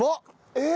えっ！